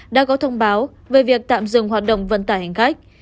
đã có thông báo về việc tạm dừng hoạt động vận tải hành khách